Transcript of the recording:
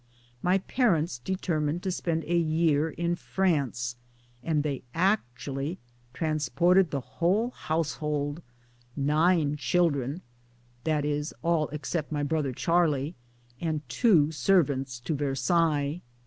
My parents determined to spend a year in France, and they actually transported the whole household, nine children (i.e. all except my brother Charlie) and 1 two servants, to Versailles.